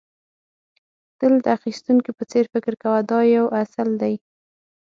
تل د اخيستونکي په څېر فکر کوه دا یو اصل دی.